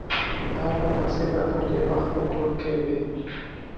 دا پتاسې به تر ډېر وخت په کور کې وې.